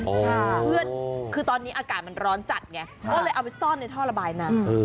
เพื่อนคือตอนนี้อากาศมันร้อนจัดไงก็เลยเอาไปซ่อนในท่อระบายน้ำ